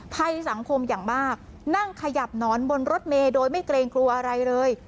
ภัยสังคมอย่างมากนั่งขยับหนอนบนรถเมย์โดยไม่เกรงกลัวอะไรเลย